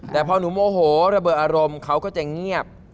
แต่พอหนูโมโหระเบิดอารมณ์เขาก็จะเงียบ